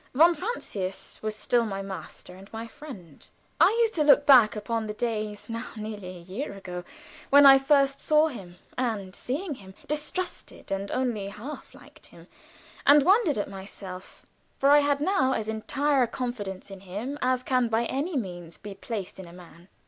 Von Francius was still my master and my friend. I used to look back upon the days, now nearly a year ago, when I first saw him, and seeing him, distrusted and only half liked him, and wondered at myself; for I had now as entire a confidence in him as can by any means be placed in a man.